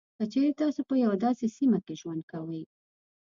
که چېري تاسو په یوه داسې سیمه کې ژوند کوئ.